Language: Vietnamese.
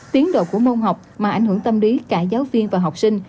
tiến độ của môn học mà ảnh hưởng tâm lý cả giáo viên và học sinh